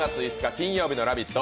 金曜日の「ラヴィット！」